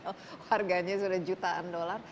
harganya sudah jutaan dolar